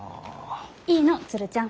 いいの鶴ちゃん。